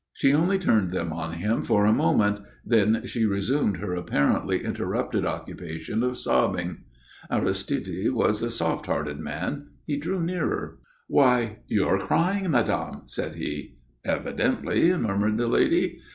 She only turned them on him for a moment; then she resumed her apparently interrupted occupation of sobbing. Aristide was a soft hearted man. He drew nearer. "Why, you're crying, madame!" said he. "Evidently," murmured the lady.